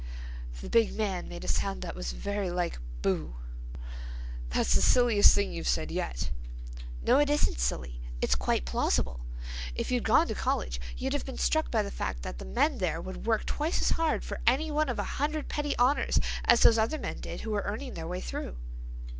The big man made a sound that was very like boo. "That's the silliest thing you've said yet." "No, it isn't silly. It's quite plausible. If you'd gone to college you'd have been struck by the fact that the men there would work twice as hard for any one of a hundred petty honors as those other men did who were earning their way through."